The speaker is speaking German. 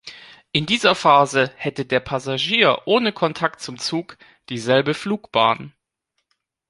In dieser Phase hätte der Passagier ohne Kontakt zum Zug dieselbe Flugbahn.